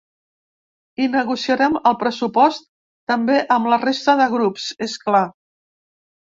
Hi negociarem el pressupost, també amb la resta de grups, és clar.